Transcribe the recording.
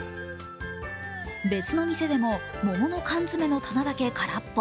別の店でも桃の缶詰の棚だけ空っぽ。